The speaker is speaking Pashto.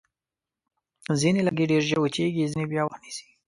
ځینې لرګي ډېر ژر وچېږي، ځینې بیا وخت نیسي.